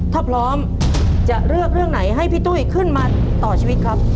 ถ้าพร้อมจะเลือกเรื่องไหนให้พี่ตุ้ยขึ้นมาต่อชีวิตครับ